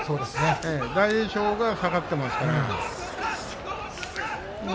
大栄翔が下がっていますから。